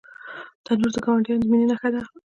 تنور د ګاونډیانو د مینې نښانه ده